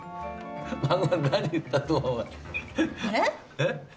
えっ？